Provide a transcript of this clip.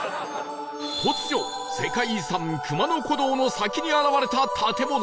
突如世界遺産熊野古道の先に現れた建物